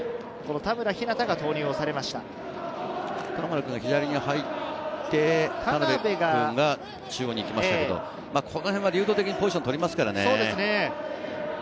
田村君が左に入って、田邉くんが中央に行きましたけど、このへんは流動的にポジションを取りますからね。